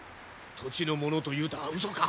土地の者と言うたはうそか？